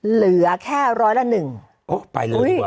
เหลือแค่ร้อยละ๑